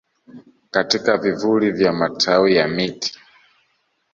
katika vivuli vya matawi ya miti